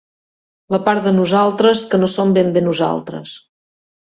La part de nosaltres que no som ben bé nosaltres.